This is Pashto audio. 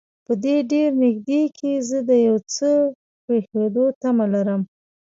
په دې ډېر نږدې کې زه د یو څه پېښېدو تمه لرم.